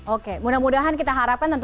oke mudah mudahan kita harapkan